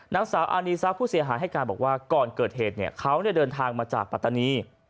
นางสาวอานีซักผู้เสียหายให้การบอกว่าก่อนเกิดเหตุเขาเดินทางมาจากปัตตานี